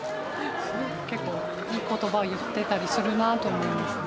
結構いい言葉を言ってたりするなと思いますね。